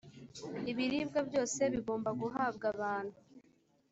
ibiribwa byose bigomba guhabwa abantu